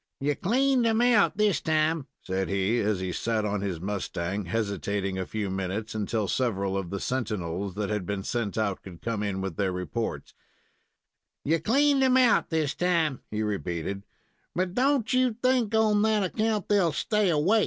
"You cleaned 'em out this time," said he, as he sat on his mustang, hesitating a few minutes, until several of the sentinels that had been sent out could come in with their reports; "you cleaned them out this time," he repeated, "but don't you think on that account they'll stay away.